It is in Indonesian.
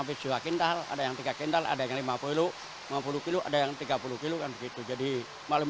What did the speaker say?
kental ada yang tiga kental ada yang lima puluh lima puluh kilo ada yang tiga puluh kilo kan begitu jadi malam